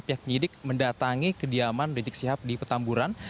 pihak penyidik mendatangi kediaman rizik sihab di petamburan